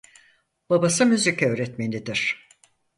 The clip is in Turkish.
Babası müzik öğretmenidir.